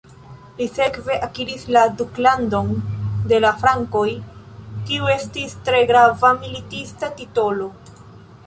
Li sekve akiris la "Duklandon de la Frankoj", kiu estis tre grava militista titolo.